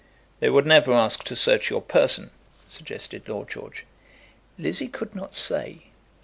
"They would never ask to search your person," suggested Lord George. Lizzie could not say.